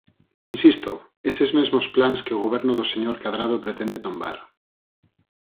Insisto, eses mesmos plans que o Goberno do señor Cadrado pretende tombar.